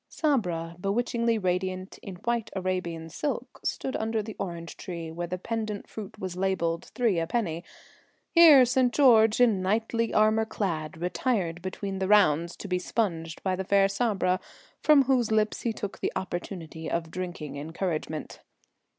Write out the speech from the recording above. Sabra, bewitchingly radiant in white Arabian silk, stood under the orange tree where the pendent fruit was labelled three a penny. Here St. George, in knightly armour clad, retired between the rounds, to be sponged by the fair Sabra, from whose lips he took the opportunity of drinking encouragement.